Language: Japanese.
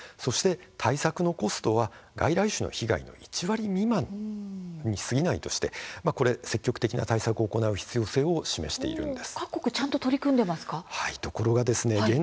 対策のコストを外来種の被害の１割未満に満たないとして積極的な対策を行う必要性を示しています。